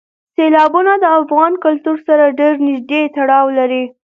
سیلابونه د افغان کلتور سره ډېر نږدې تړاو لري.